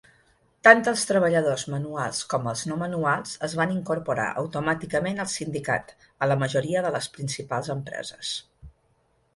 Tant els treballadors manuals com els no manuals es van incorporar automàticament al sindicat a la majoria de les principals empreses.